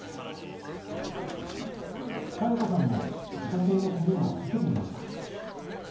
加代子さんも自家製の米を預けていました。